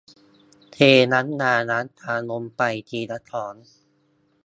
เทน้ำยาล้างจานลงไปทีละช้อน